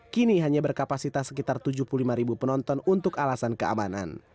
kini hanya berkapasitas sekitar tujuh puluh lima ribu penonton untuk alasan keamanan